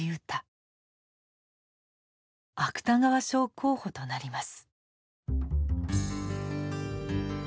芥川賞候補となります。